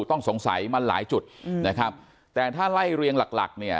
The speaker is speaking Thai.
ต้องสงสัยมันหลายจุดนะครับแต่ถ้าไล่เรียงหลักหลักเนี่ย